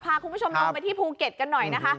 พาคุณผู้ชมลงไปที่ภูเก็ตกันหน่อยนะคะ